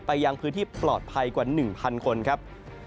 ยังพื้นที่ปลอดภัยกว่า๑๐๐คนครับ